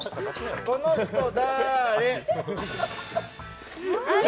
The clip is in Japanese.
この人だれ？